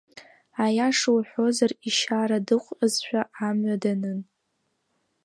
Аиаша уҳәозар, ишьара дықәҟьазшәа амҩа данын.